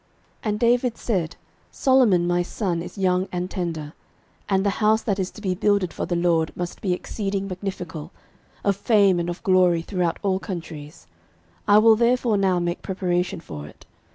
13:022:005 And David said, Solomon my son is young and tender, and the house that is to be builded for the LORD must be exceeding magnifical, of fame and of glory throughout all countries: I will therefore now make preparation for it.